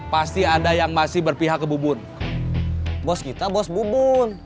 pasti ada yang masih berpihak ke bubun bos kita bos bubun